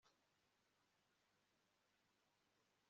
abazungu i murang'a. ubupfumu bwe nubumaji, mbere yuko atsindwa